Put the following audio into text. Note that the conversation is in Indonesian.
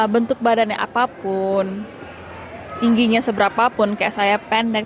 bentuk badannya apapun tingginya seberapapun kayak saya pendek